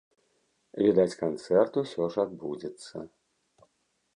Відаць, канцэрт усё ж адбудзецца.